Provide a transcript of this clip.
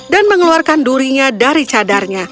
dan mengeluarkan durinya dari cadarnya